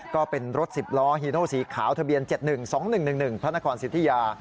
ก็เป็นรถ๑๐ล้อฮีโนสีขาวทะเบียน๗๑๒๑๑๑พระนครสิทธิยา